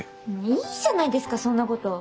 いいじゃないですかそんなこと。